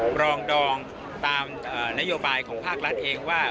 ปรองดองตามนโยบายของภาครัฐเองว่า